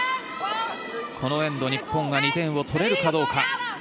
このエンド、日本が２点を取れるかどうか。